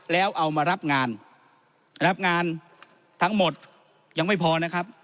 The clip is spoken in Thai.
แล้วเอามารับงานรับงานทั้งหมดยังไม่พอนะครับ